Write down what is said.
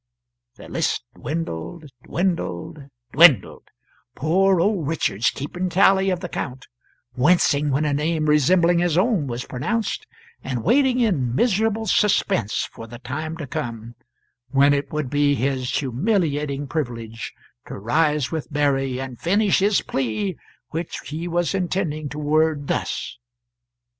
The list dwindled, dwindled, dwindled, poor old Richards keeping tally of the count, wincing when a name resembling his own was pronounced, and waiting in miserable suspense for the time to come when it would be his humiliating privilege to rise with Mary and finish his plea, which he was intending to word thus